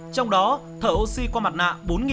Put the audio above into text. trong đó thở oxy qua mặt nạ bốn một trăm bốn mươi năm